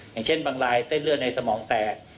อย่างเช่นบางรายเส้นเลือดในสมองแตก